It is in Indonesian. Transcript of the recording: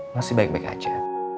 masih baik baik aja